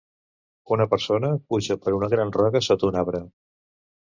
Una persona puja per una gran roca sota un arbre.